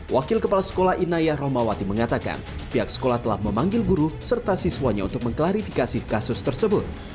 wakil kepala sekolah inayah romawati mengatakan pihak sekolah telah memanggil guru serta siswanya untuk mengklarifikasi kasus tersebut